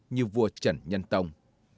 như vua trần nhân tông